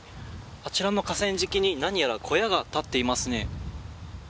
あちらの河川敷に何やら小屋が立っています。